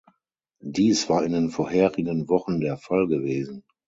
Dies war in den vorherigen Wochen der Fall gewesen.